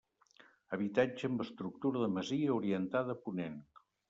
Habitatge amb estructura de masia orientat a ponent.